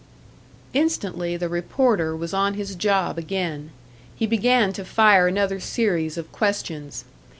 Instantly the reporter was on his job again; he began to fire another series of questions.